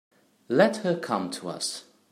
Let her come to us.